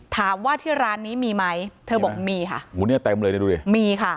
ถามว่าที่ร้านนี้มีไหมเธอบอกมีค่ะหูเนี้ยเต็มเลยเนี่ยดูดิมีค่ะ